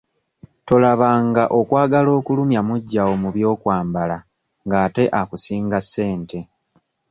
Tolabanga okwagala okulumya muggyawo mu by'okwambala ng'ate akusinga ssente.